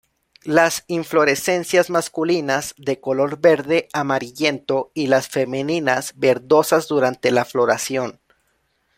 Las inflorescencias masculinas de color verde amarillento y las femeninas verdosas durante la floración.